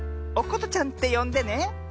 おことちゃんってよんでね。